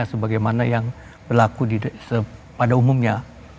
sebagai mana yang berlaku pada umumnya